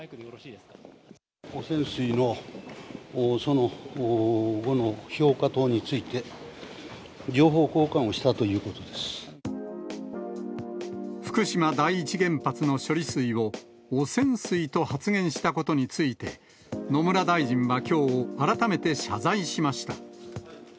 汚染水のその後の評価等について、福島第一原発の処理水を、汚染水と発言したことについて、野村大臣はきょう、改めて謝罪しました。